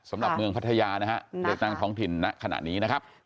สำหรับเมืองพัทยาเลือกตั้งท้องถิ่นขนาดนี้